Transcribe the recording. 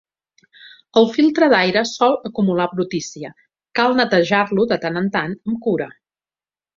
El filtre d'aire sol acumular brutícia, cal netejar-lo de tant en tant amb cura.